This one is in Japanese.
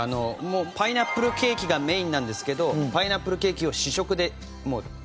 もうパイナップルケーキがメインなんですけどパイナップルケーキを試食ですごい食べられるんですよ。